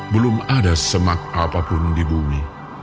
belum ada semak apapun di bumi